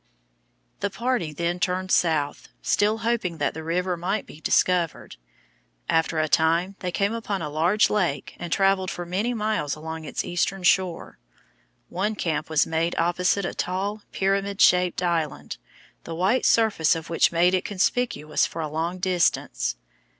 The party then turned south, still hoping that the river might be discovered. After a time they came upon a large lake and travelled for many miles along its eastern shore. One camp was made opposite a tall, pyramid shaped island, the white surface of which made it conspicuous for a long distance.